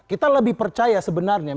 kita lebih percaya sebenarnya